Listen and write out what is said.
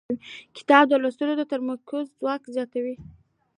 کتاب لوستل د تمرکز ځواک زیاتوي